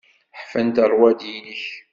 Ḥfant rrwaḍi-inek.